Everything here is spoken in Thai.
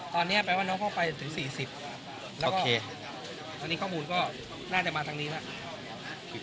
ตอนนี้แปลว่าน้องเข้าไปถึง๔๐แล้วก็ตอนนี้ข้อมูลก็น่าจะมาทางนี้แล้ว